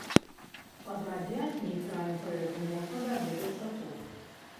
Падрабязней пра імпрэзу можна даведацца тут.